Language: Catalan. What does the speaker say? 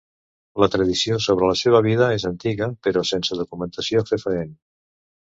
La tradició sobre la seva vida és antiga, però sense documentació fefaent.